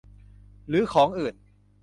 หรือของอื่น